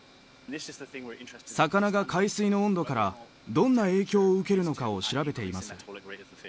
魚が海水の温度からどんな影響を受けるのかを調べています。